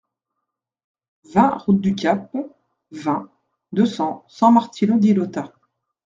vingt route du Cap, vingt, deux cents, San-Martino-di-Lota